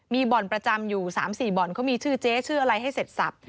มีบ่อนประจำอยู่๓๔บ่อนเขามีชื่อเจ๊ชื่ออะไรให้เสร็จสับ